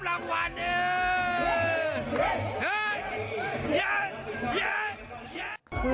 มารับรางวัลน๊อบ๑